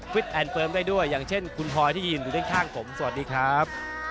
แอนดเฟิร์มได้ด้วยอย่างเช่นคุณพลอยที่ยืนอยู่ด้านข้างผมสวัสดีครับ